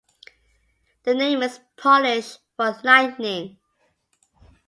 The name is Polish for lightning.